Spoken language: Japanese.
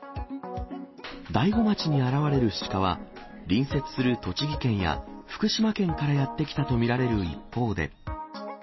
大子町に現れるシカは、隣接する栃木県や福島県からやって来たと見られる一方で。